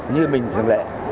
như mình thường lệ